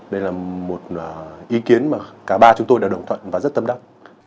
nên là một ý kiến mà cả ba chúng tôi đều đồng thuận và rất tâm đắc